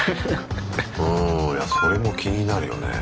うんそれも気になるよね。